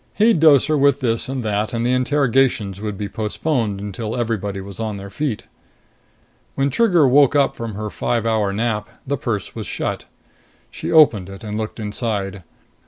He'd dose her with this and that, and interrogations would be postponed until everybody was on their feet. When Trigger woke up from her five hour nap, the purse was shut. She opened it and looked inside.